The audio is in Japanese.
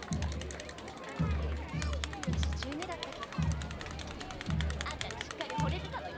あんときあたし十二歳だったけどあんたにしっかり惚れてたの！